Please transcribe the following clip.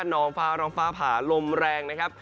น้องฟ้าร้องฟ้าผ่าลมแรงนะครับ